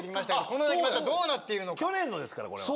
去年のですからこれは。